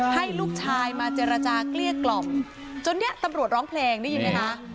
ให้ลูกชายมาเจรจาเกลี้ยกล่อมจนเนี่ยตำรวจร้องเพลงได้ยินไหมคะ